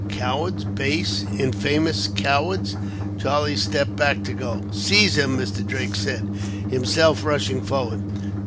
"Cowards; base, infamous cowards!" Charlie stepped back to go. "Seize him!" Mr. Drake said, himself rushing forward.